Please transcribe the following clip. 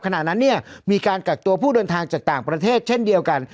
ขณะนั้นเนี่ยมีการกักตัวผู้เดินทางจากต่างประเทศเช่นเดียวกัน